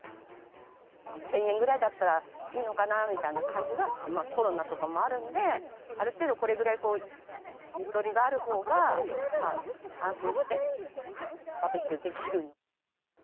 １０００円ぐらいだったらいいのかなみたいな感じは、コロナとかもあるんで、ある程度、これぐらいゆとりがあるほうが、安心してバーベキューできる。